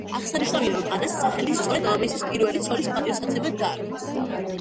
აღსანიშნავია, რომ ანას სახელი სწორედ მამამისის პირველი ცოლის პატივსაცემად დაარქვეს.